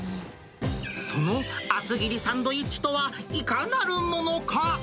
その厚切りサンドイッチとは、いかなるものか。